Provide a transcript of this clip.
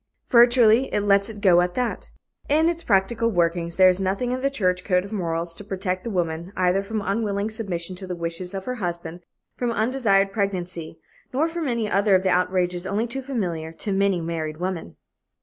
Virtually, it lets it go at that. In its practical workings, there is nothing in the church code of morals to protect the woman, either from unwilling submission to the wishes of her husband, from undesired pregnancy, nor from any other of the outrages only too familiar to many married women.